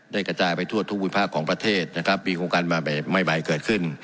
กระจายไปทั่วทุกวิภาคของประเทศนะครับมีโครงการใหม่เกิดขึ้น